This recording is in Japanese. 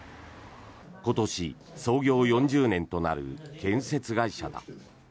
今年、創業４０年となる建設会社だ。